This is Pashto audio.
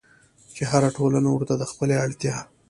چې هره ټولنه ورته د خپلې اړتيا